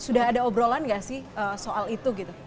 sudah ada obrolan nggak sih soal itu gitu